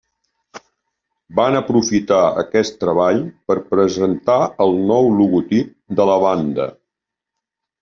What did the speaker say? Van aprofitar aquest treball per presentar el nou logotip de la banda.